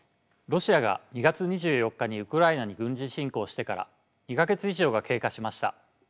ロシアが２月２４日にウクライナに軍事侵攻してから２か月以上が経過しました。